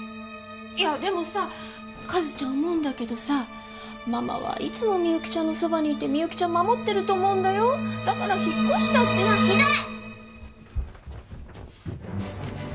いやでもさ和ちゃん思うんだけどさママはいつもみゆきちゃんのそばにいてみゆきちゃんを守ってると思うんだよだから引っ越したってひどい！